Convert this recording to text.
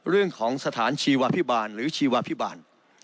เรื่องของสถานชีวาพิบาลหรือชีวาพิบาล